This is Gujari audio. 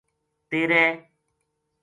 تیرے